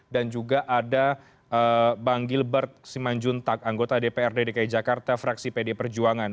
dan juga ada bang gilbert simanjuntak anggota dprd dki jakarta fraksi pd perjuangan